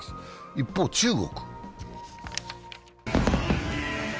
一方、中国。